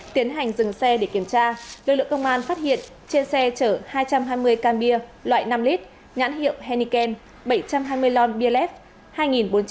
tiến hành dừng xe để kiểm tra lực lượng công an phát hiện trên xe chở hai trăm hai mươi can bia loại năm lít nhãn hiệu henneken bảy trăm hai mươi lon bia lép